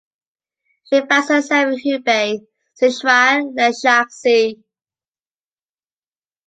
She finds herself in Hubei, Szechuan, and Shaanxi.